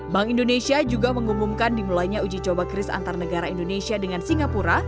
bank indonesia juga mengumumkan dimulainya uji coba kris antar negara indonesia dengan singapura